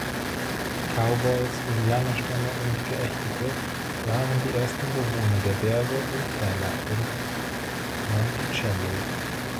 Cowboys, Indianerstämme und Geächtete waren die ersten Bewohner der Berge und Täler um Monticello.